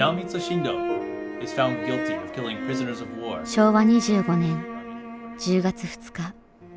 昭和２５年１０月２日。